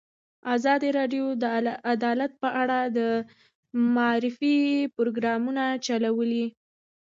ازادي راډیو د عدالت په اړه د معارفې پروګرامونه چلولي.